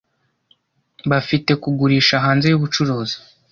Bafite kugurisha hanze yubucuruzi.